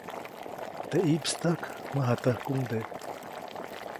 Teʼ ʼiʼpstäjk, mäjatäjkuŋde.